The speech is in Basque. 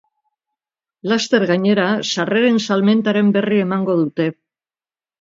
Laster gainera, sarreren salmentaren berri emango dute.